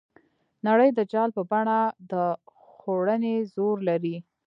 نړۍ د جال په بڼه د خوړنې زور لري.